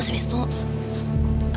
saya ingin mengingatkan dia